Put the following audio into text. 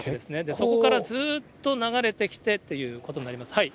そこからずっと流れてきてということになります。